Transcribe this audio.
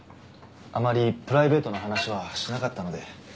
あまりプライベートな話はしなかったので。